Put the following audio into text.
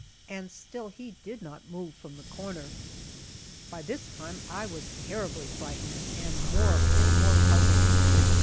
And still he did not move from the corner. By this time I was terribly frightened and more and more puzzled.